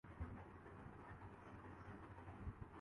یہ قربت non movement کو کسی موومنٹ میں بدل سکتی ہے۔